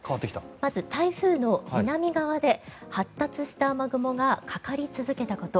まず台風の南側で発達した雨雲がかかり続けたこと。